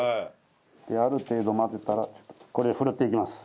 ある程度混ぜたらこれでふるっていきます。